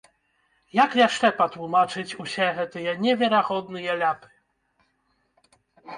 Як яшчэ патлумачыць усе гэтыя неверагодныя ляпы?